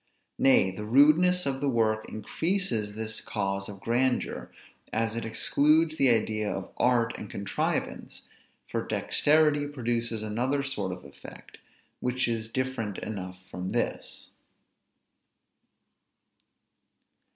Nay, the rudeness of the work increases this cause of grandeur, as it excludes the idea of art and contrivance; for dexterity produces another sort of effect, which is different enough from this.